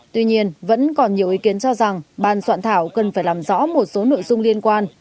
tuy nhiên vẫn còn nhiều ý kiến cho rằng ban soạn thảo cần phải làm rõ một số nội dung liên quan